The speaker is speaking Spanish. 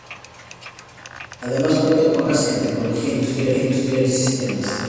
Además cuenta con los programas en tecnología industrial y sistemas.